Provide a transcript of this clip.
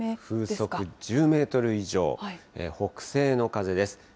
風速１０メートル以上、北西の風です。